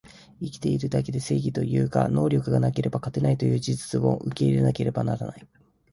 生きてるだけで正義というが、能力がなければ勝てないという事実も受け入れなければならない